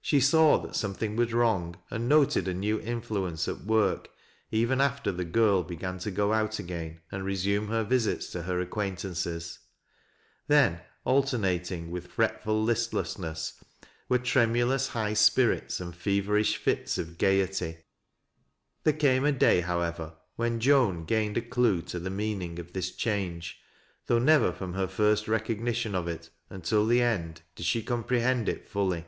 She saw that something was wrong, and noted a new infliience at work even after the girl began to go out again and resume hei visits to her acquaintances. Then, alternating with fret MASTER LANDSBLL'S SON. 156 I'ul listlessness, were tremulous high spirits and feverisb fits of gayety. There came a day^ however, when Joan gained a olue to the meaning of this change, though never from her first recognition of it until the end did slie comprehend it fully.